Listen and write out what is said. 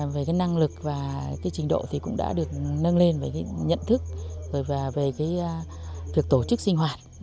về năng lực và trình độ cũng đã được nâng lên với nhận thức về việc tổ chức sinh hoạt